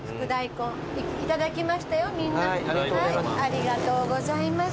ありがとうございます。